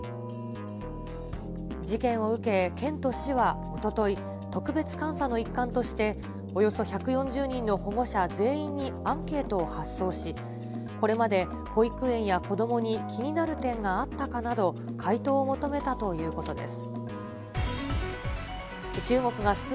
事件を受け、県と市はおととい、特別監査の一環として、およそ１４０人の保護者全員にアンケートを発送し、これまで保育園や子どもに気になる点があったかなど、回答を求めたということです。